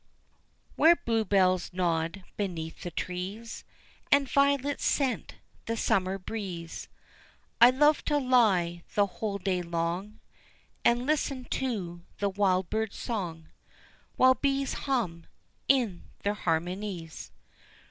Where blue bells nod beneath the trees And violets scent the summer breeze I love to lie the whole day long And listen to the wild bird's song, While bees hum in their harmonies.